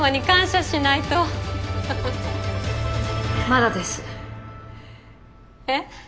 まだです。え？